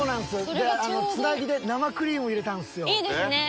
でつなぎで生クリーム入れたんすよ。